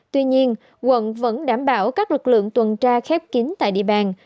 tuy nhiên quận vẫn đảm bảo các lực lượng tuần tra khép kín tại địa bàn